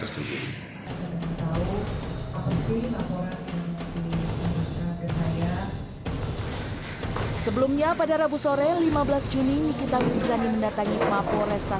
sebelumnya pada rabu sore lima belas juni nikita wirzani mendatangi pemaham restoran